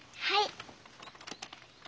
はい。